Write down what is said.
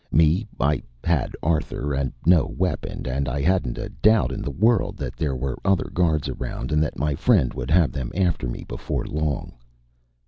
Me, I had Arthur, and no weapon, and I hadn't a doubt in the world that there were other guards around and that my friend would have them after me before long.